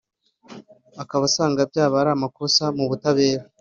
akaba asanga byaba ari amakosa mu butabera